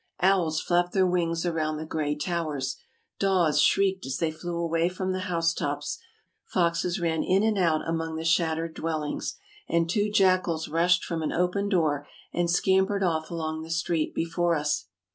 Owls flapped their wings around the gray towers ; daws shrieked as they flew away from the house tops ; foxes ran in and out among the shattered dwellings, and two jackals rushed from an open door and scampered off along the street before us.